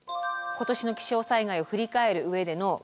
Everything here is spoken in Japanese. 今年の気象災害を振り返る上でのキーワード